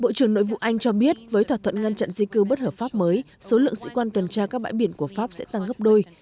bộ trưởng nội vụ anh cho biết với thỏa thuận ngăn chặn di cư bất hợp pháp mới số lượng sĩ quan tuần tra các bãi biển của pháp sẽ tăng gấp đôi